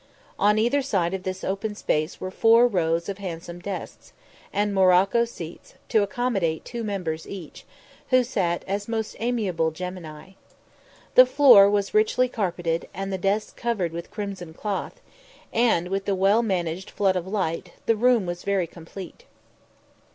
On either side of this open space were four rows of handsome desks, and morocco seats, to accommodate two members each, who sat as most amiable Gemini. The floor was richly carpeted, and the desks covered with crimson cloth, and, with the well managed flood of light, the room was very complete.